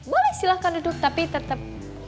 boleh silahkan duduk tapi tetap